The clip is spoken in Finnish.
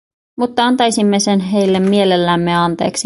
Mutta antaisimme sen heille mielellämme anteeksi.